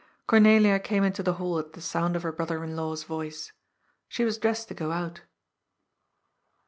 Cornelia came into the hall at the sound of her broth er in law's voice. She was dressed to go out.